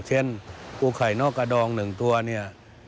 เช่นอูไข่นอกกระดองหนึ่งตัวนี่